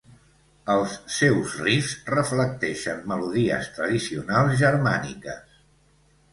Els seus riffs reflecteixen melodies tradicionals germàniques.